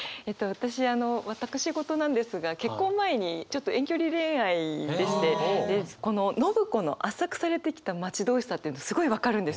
私あの私事なんですが結婚前にちょっと遠距離恋愛でしてでこの伸子の「圧搾されて来た待ち遠しさ」っていうのすごい分かるんですよ。